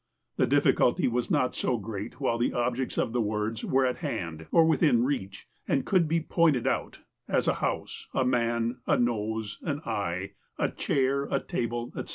The difficulty was not so great while the objects of the words were at hand, or within reach, and could be pointed out, as a house, a man, a nose, an eye, a chair, a table, etc.